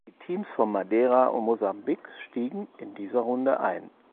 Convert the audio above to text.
Die Teams von Madeira und Mosambik stiegen in dieser Runde ein.